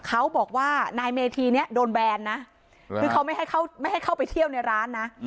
เขาบอกว่านายเมธีเนี่ยโดนแบนนะคือเขาไม่ให้ไม่ให้เข้าไปเที่ยวในร้านนะ